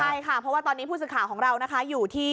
ใช่ค่ะเพราะว่าตอนนี้ผู้สื่อข่าวของเรานะคะอยู่ที่